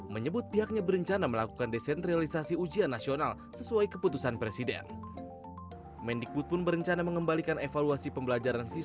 menyebut pihaknya berencana untuk mencari penyelamat